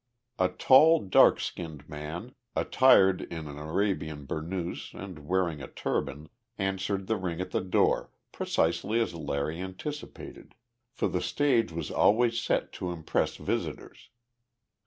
A tall dark skinned man, attired in an Arabian burnoose and wearing a turban, answered the ring at the door, precisely as Larry anticipated for the stage was always well set to impress visitors.